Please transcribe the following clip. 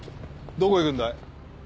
どこへ行くんだい？